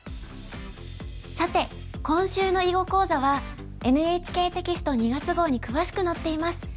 さて今週の囲碁講座はＮＨＫテキスト２月号に詳しく載っています。